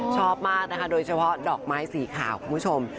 ชอบมากนะคะโดยเฉพาะดอกไม้สีขาวคุณผู้ชม